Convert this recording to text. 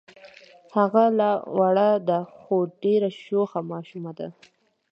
هغه لا وړه ده خو ډېره شوخه ماشومه ده.